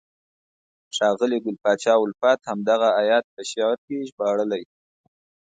ښاغلي ګل پاچا الفت همدغه آیت په شعر کې ژباړلی: